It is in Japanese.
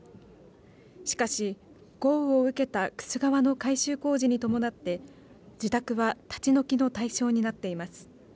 しかし豪雨を受けた玖珠川の改修工事に伴って自宅は立ち退きの対象になっています。